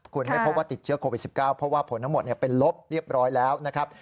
คุณไม่พบว่าติดเชื้อโควิด๑๙เพราะว่าผลทั้งหมดเป็นลบเรียบร้อยแล้วนะครับ